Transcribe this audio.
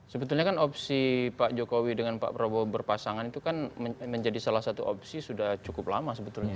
sebetulnya kan opsi pak jokowi dengan pak prabowo berpasangan itu kan menjadi salah satu opsi sudah cukup lama sebetulnya